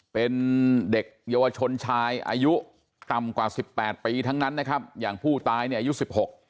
เป็นเด็กเยาวชนชายอายุต่ำกว่าสิบแปดปีทั้งนั้นนะครับอย่างผู้ตายเนี่ยอายุสิบหก